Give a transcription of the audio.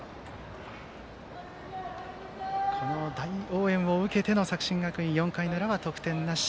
大応援を受けての作新学院は４回の裏は得点なし。